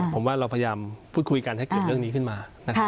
ผมว่าเราพยายามพูดคุยกันให้เกิดเรื่องนี้ขึ้นมานะครับ